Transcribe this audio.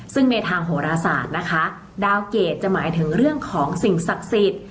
ซึ่งในทางโหรศาสตร์นะคะดาวเกรดจะหมายถึงเรื่องของสิ่งศักดิ์สิทธิ์